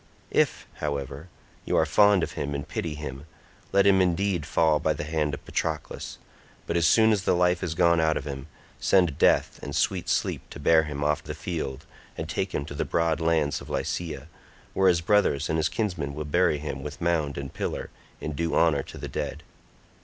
If, however, you are fond of him and pity him, let him indeed fall by the hand of Patroclus, but as soon as the life is gone out of him, send Death and sweet Sleep to bear him off the field and take him to the broad lands of Lycia, where his brothers and his kinsmen will bury him with mound and pillar, in due honour to the dead."